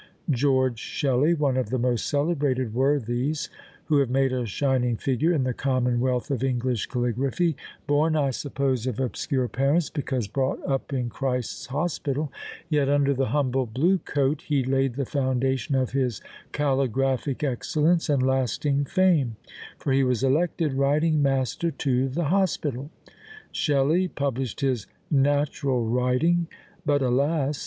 "George Shelley, one of the most celebrated worthies who have made a shining figure in the commonwealth of English caligraphy, born I suppose of obscure parents, because brought up in Christ's Hospital, yet under the humble blue coat he laid the foundation of his caligraphic excellence and lasting fame, for he was elected writing master to the hospital." Shelley published his "Natural Writing;" but, alas!